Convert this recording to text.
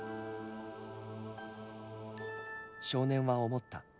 少年は思った。